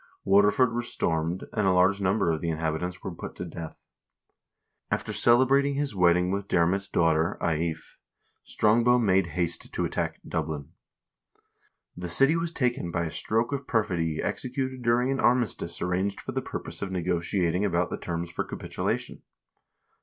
Waterford was stormed, and a large number of the in habitants were put to death. After celebrating his wedding with Diarmait's daughter, Aife, Strongbow made haste to attack Dublin. The city was taken by a stroke of perfidy executed during an armi stice arranged for the purpose of negotiating about the terms for capitulation.